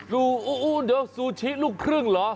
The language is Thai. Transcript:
ลูกครึ่งทอดซูชิลูกครึ่งเหรอ